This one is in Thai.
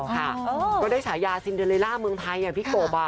ค่ะก็ได้ฉายาซินเดอร์เรลล่าเมืองไทยไงพี่กบอะ